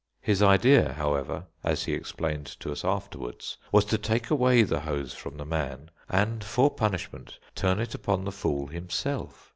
His idea, however, as he explained to us afterwards, was to take away the hose from the man, and, for punishment, turn it upon the fool himself.